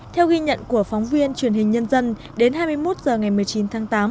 theo ghi nhận của phóng viên truyền hình nhân dân đến hai mươi một h ngày một mươi chín tháng tám